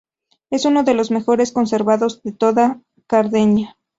Es uno de los mejor conservados de toda Cerdeña.